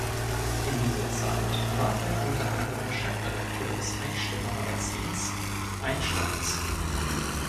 In dieser Zeit war er unter anderem Chefredakteur des Eichstätter Magazins „einsteins“.